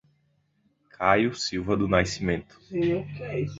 Caio Silva do Nascimento